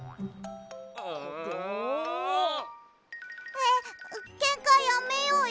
えっけんかやめようよ。